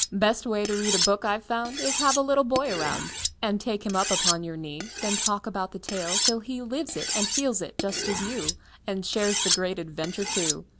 Best way to read a book I've found Is have a little boy around And take him up upon your knee; Then talk about the tale, till he Lives it and feels it, just as you, And shares the great adventure, too.